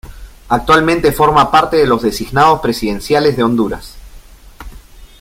Actualmente forma parte de los Designados Presidenciales de Honduras.